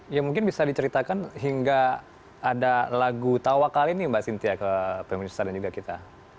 ya mungkin bisa diceritakan hingga ada lagu tawakal ini mbak cynthia ke pemerintah dan juga kita